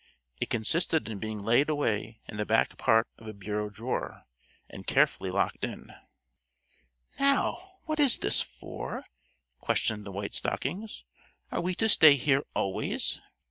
It consisted in being laid away in the back part of a bureau drawer, and carefully locked in. "Now, what is this for?" questioned the White Stockings. "Are we to stay here always?"